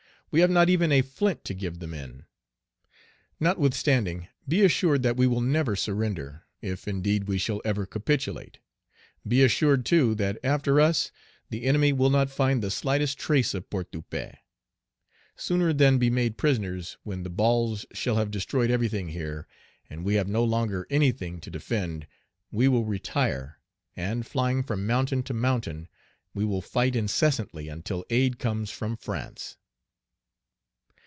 We have not even a flint to give the men. Notwithstanding, be assured that we will never surrender, if, indeed, we shall ever capitulate; be assured, too, that after us the enemy will not find the slightest trace of Port de Paix. Sooner than be made prisoners, when the balls shall have destroyed everything here, and we have no longer anything to Page 74 defend, we will retire, and, flying from mountain to mountain, we will fight incessantly until aid comes from France."